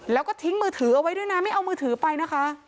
แล้วก็ทิ้งมือถือเอาไว้ด้วยนะไม่เอามือถือไปนะคะ